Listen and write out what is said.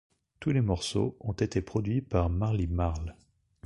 Tous les morceaux ont été produits par Marley Marl.